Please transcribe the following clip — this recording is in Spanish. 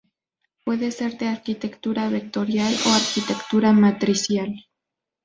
Puede ser de Arquitectura vectorial o Arquitectura matricial.